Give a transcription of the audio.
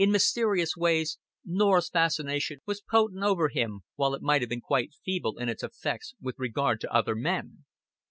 In mysterious ways Norah's fascination was potent over him, while it might have been quite feeble in its effects with regard to other men.